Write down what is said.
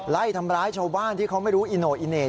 ไล่ทำร้ายชาวบ้านที่เขาไม่รู้อีโน่อีเหน่